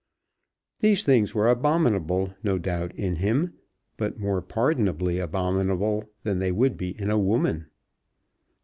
These things were abominable no doubt in him, but more pardonably abominable than they would be in a woman.